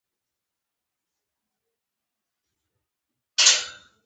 اضافه کاري څه ته وایي؟